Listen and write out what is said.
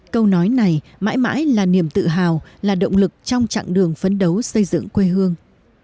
câu nói này mãi mãi là niềm tự hào là động lực trong chặng đường phấn đấu xây dựng quê hương